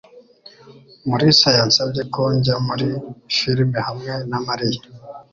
Mulisa yansabye ko njya muri firime hamwe na Mariya.